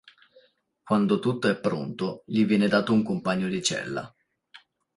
Quando tutto è pronto, gli viene dato un compagno di cella.